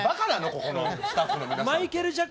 ここのスタッフの皆さん。